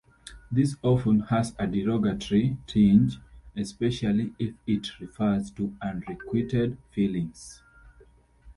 This often has a derogatory tinge, especially if it refers to unrequited feelings.